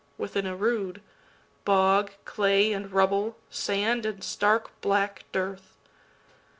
within a rood—Bog, clay, and rubble, sand and stark black dearth.